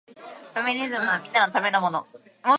フェミニズムはみんなのためのもの